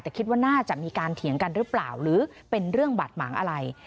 แต่คิดว่าน่าจะมีการเถียงกันหรือเปล่าหรือเป็นเรื่องบาดหมางอะไร